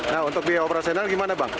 nah untuk biaya operasional gimana bang